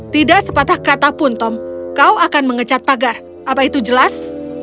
tidak sepatah katapun tom kau akan mengecat pagar apa itu jelas